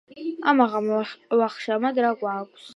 ამაღამ ვახშმად რა გვაქვს.